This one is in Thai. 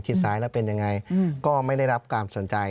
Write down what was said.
คิดซ้ายแล้วเป็นอย่างไรก็ไม่ได้รับความสนใจ